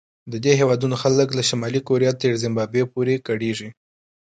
د دې هېوادونو خلک له شمالي کوریا تر زیمبابوې پورې کړېږي.